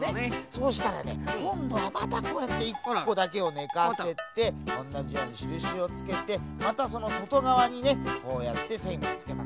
そうしたらねこんどはまたこうやって１こだけをねかせておんなじようにしるしをつけてまたそのそとがわにねこうやってせんをつけます。